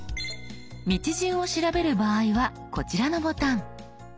道順を調べる場合はこちらのボタン。